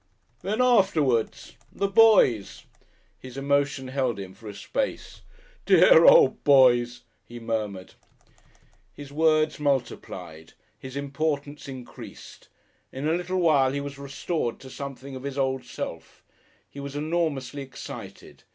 "Then afterwards the Boys!" His emotion held him for a space. "Dear old Boys!" he murmured. His words multiplied, his importance increased. In a little while he was restored to something of his old self. He was enormously excited.